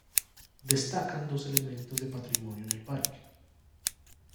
Destacan dos elementos de patrimonio en el parque.